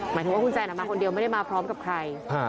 หมายถึงว่าคุณแซนมาคนเดียวไม่ได้มาพร้อมกับใคร